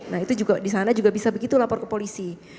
nah itu juga di sana juga bisa begitu lapor ke polisi